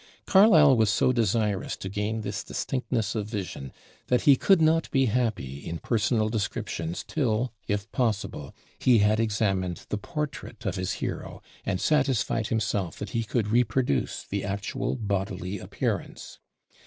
Carlyle was so desirous to gain this distinctness of vision that he could not be happy in personal descriptions till, if possible, he had examined the portrait of his hero and satisfied himself that he could reproduce the actual bodily appearance.